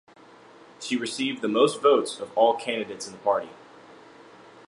She received the most votes of all candidates in the party.